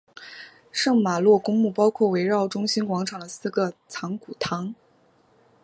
圣玛洛公墓包括围绕中心广场的四个藏骨堂。